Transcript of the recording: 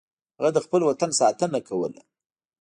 هغه د خپل وطن ساتنه کوله.